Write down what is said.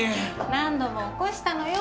何度も起こしたのよ。